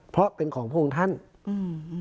เพราะเป็นของพระองค์ท่านอืม